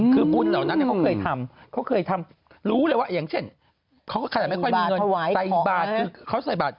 คือบุญเหล่านั้นก็เขาเคยทำรู้เลยว่าอย่างเช่นเขาก็แค่ไม่ค่อยมีเงินใส่บาด